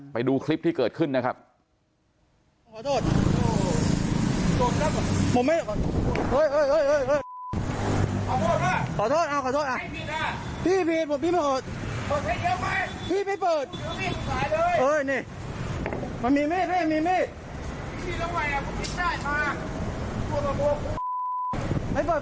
ไปดูคลิปที่เกิดขึ้นนะครับ